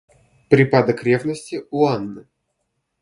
Припадок ревности у Анны.